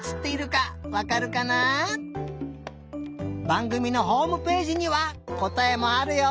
ばんぐみのホームページにはこたえもあるよ！